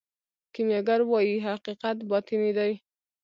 کیمیاګر وايي حقیقت باطني دی.